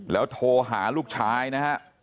แล้วโทรหาลูกชายนะฮะ